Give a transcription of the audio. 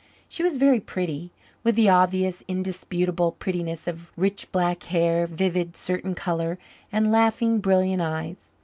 She was very pretty, with the obvious, indisputable prettiness of rich black hair, vivid, certain colour, and laughing, brilliant eyes.